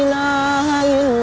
kau akan diserang kami